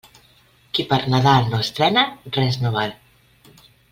Qui per Nadal no estrena, res no val.